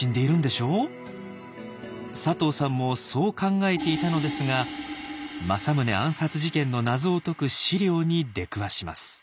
佐藤さんもそう考えていたのですが政宗暗殺事件の謎を解く資料に出くわします。